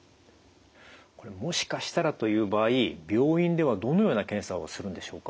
これもしかしたらという場合病院ではどのような検査をするんでしょうか？